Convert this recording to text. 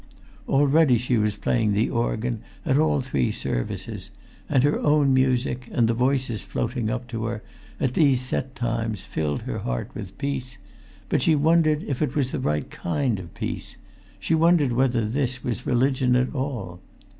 Already she was playing the organ at all three services, and her own music, and the voices floating up to her, at these set times, filled her heart with peace; but she wondered if it was the right kind of peace; she wondered whether this was religion at all.